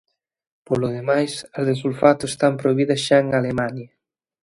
Polo demáis, as de sulfato están prohibidas xa en Alemania.